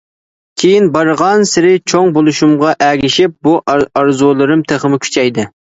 كېيىن بارغانسېرى چوڭ بولۇشۇمغا ئەگىشىپ بۇ ئارزۇلىرىم تېخىمۇ كۈچەيدى.